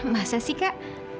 masa sih kak